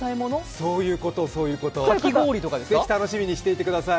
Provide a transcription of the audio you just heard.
そういうこと、そういうことぜひ楽しみにしていてください。